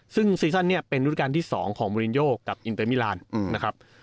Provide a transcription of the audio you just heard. ซึ่งซีซั่นเนี่ยเป็นรุ่นการที่๒ของมูลินโยกับอินเตอร์มิลานนะครับ